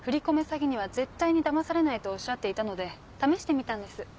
詐欺には絶対にだまされないとおっしゃっていたので試してみたんです。